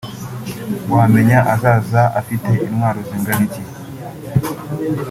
wamenya azaza afite intwaro zingana iki